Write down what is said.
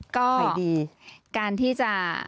ก็ดีการที่จะ